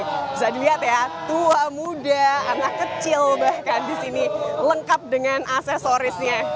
bisa dilihat ya tua muda anak kecil bahkan di sini lengkap dengan aksesorisnya